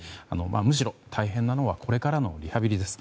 むしろ大変なのはこれからのリハビリです。